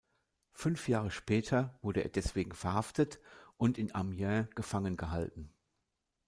Fünf Jahre später wurde er deswegen verhaftet und in Amiens gefangengehalten.